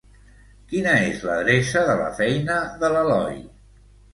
Quina és l'adreça de la feina de l'Eloi?